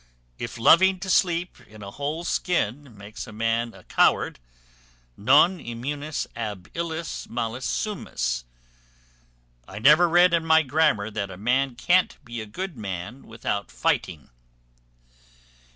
If loving to sleep in a whole skin makes a man a coward, non immunes ab illis malis sumus. I never read in my grammar that a man can't be a good man without fighting.